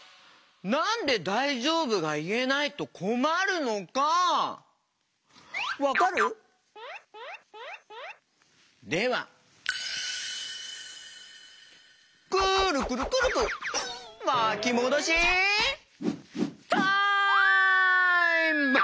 なんで「だいじょうぶ？」がいえないとこまるのかわかる？ではくるくるくるくるまきもどしタイム！